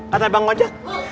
kata bang wajah